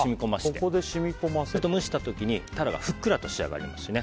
そうすると蒸した時にタラがふっくらと仕上がりますね。